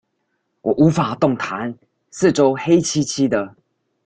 我無法動彈，四周黑漆漆的